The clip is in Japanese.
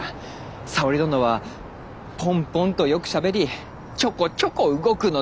沙織殿はぽんぽんとよくしゃべりちょこちょこ動くのでな。